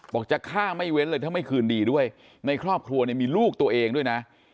จะฆ่าไม่เว้นเลยถ้าไม่คืนดีด้วยในครอบครัวเนี่ยมีลูกตัวเองด้วยนะ